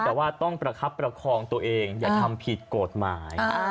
แต่ว่าต้องประคับประคองตัวเองอย่าทำผิดกฎหมาย